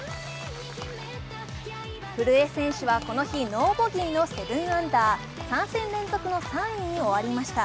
古江選手はこの日ノーボギーの７アンダー、３戦連続の３位に終わりました。